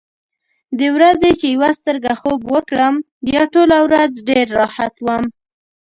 د ورځې چې یوه سترګه خوب وکړم، بیا ټوله ورځ ډېر راحت وم.